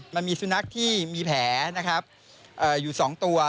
มันมีสุนัขที่มีแผลนะครับอยู่๒ตัว